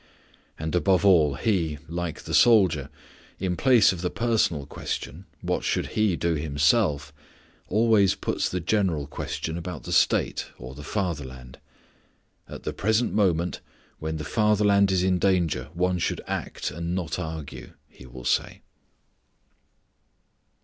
But, above all, he, like the soldier, in place of the personal question, what should he do himself, always put the general question about the State, or the fatherland. "At the present moment, when the fatherland is in danger, one should act, and not argue," he will say.